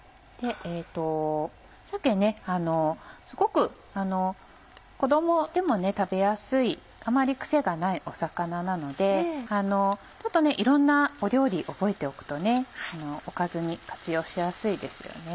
鮭すごく子供でも食べやすいあまりクセがない魚なのでいろんな料理覚えておくとおかずに活用しやすいですよね。